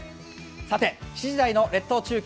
さて、７時台の列島中継